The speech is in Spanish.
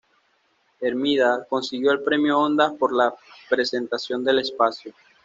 Hermida consiguió el Premio Ondas por la presentación del espacio.